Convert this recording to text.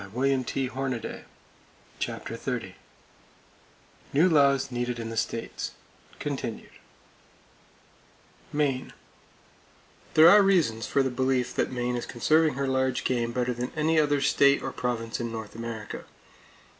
[Page 283] CHAPTER XXX NEW LAWS NEEDED IN THE STATES (Continued) Maine: There are reasons for the belief that Maine is conserving her large game better than any other state or province in North America.